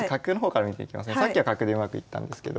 さっきは角でうまくいったんですけど。